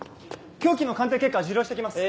凶器の鑑定結果受領して来ます。